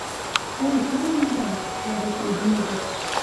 «Ой, карангда! — ядеш лӱдӹн ӹдӹр, —